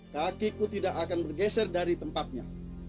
kaki ku tidak akan bergeser dari tempatnya